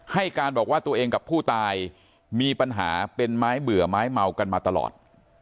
ให้การบอกว่าตัวเองกับผู้ตายมีปัญหาเป็นไม้เบื่อไม้เมากันมาตลอด